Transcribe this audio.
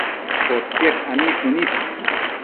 Podquied anisnu nid